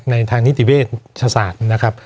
ทางนิติเวชศาสตร์นะครับ